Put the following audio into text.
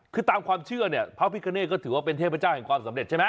คือตามความเชื่อเนี่ยพระพิกเนธก็ถือว่าเป็นเทพเจ้าแห่งความสำเร็จใช่ไหม